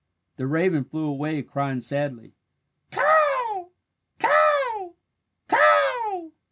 The raven flew away, crying sadly, "Caw! Caw! Caw!"